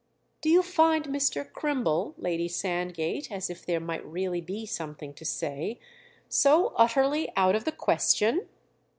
"Do you find Mr. Crimble," Lady Sandgate as if there might really be something to say, "so utterly out of the question?"